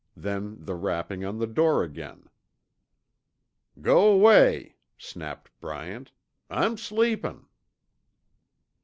Then the rapping on the door again. "G'way," snapped Bryant, "I'm sleepin'."